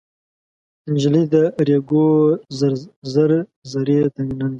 نجلۍ د ریګو زر زري ننکۍ